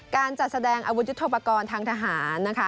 การจัดแสดงอาวุธยุทธปกรทางทหาร